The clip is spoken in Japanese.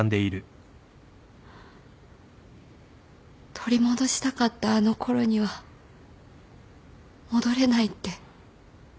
取り戻したかったあのころには戻れないって。